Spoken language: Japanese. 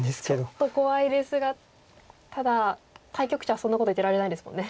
ちょっと怖いですがただ対局者はそんなこと言ってられないですもんね。